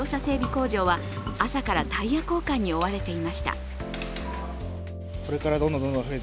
工場は朝からタイヤ交換に追われていました。